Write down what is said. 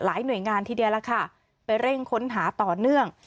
หน่วยงานทีเดียวล่ะค่ะไปเร่งค้นหาต่อเนื่อง